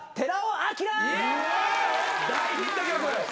大ヒット曲！